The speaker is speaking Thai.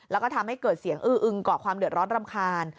แล้วก็ทำให้เกิดเสียงอื้ออึงก่อความเดือดร้อนรำคาญ